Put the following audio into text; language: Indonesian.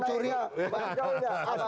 dari mana tadi